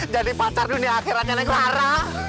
jadi pacar dunia akhirnya neng lara